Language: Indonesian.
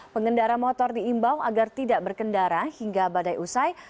pengendara motor diimbau agar tidak berkendara hingga badai usai